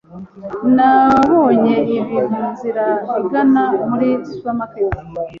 Nabonye ibi munzira igana muri supermarket.